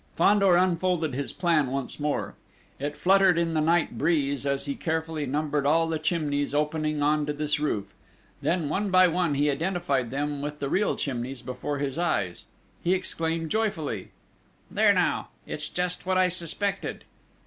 Fandor unfolded his plan once more. It fluttered in the night breeze, as he carefully numbered all the chimneys opening on to this roof; then, one by one, he identified them with the real chimneys before his eyes. He exclaimed joyfully: "There, now! It's just what I suspected!"